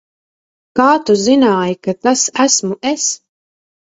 Kā tu zināji, ka tas esmu es?